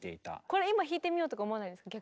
これ今弾いてみようとか思わないですか？